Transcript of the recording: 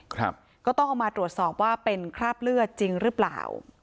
ก็ต้องเอามาตรวจสอบว่าเป็นคราบเลือดจริงหรือเปล่า